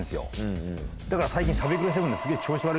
だから最近。